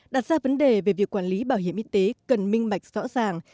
đặt ra vấn đề về việc quản lý bảo hiểm y tế cần minh mạch rõ ràng